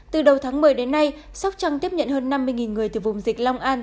từ đầu tháng một mươi đến nay sóc trăng tiếp nhận hơn năm mươi người từ vùng dịch long an